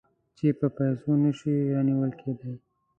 چې په پیسو نه شي رانیول کېدای.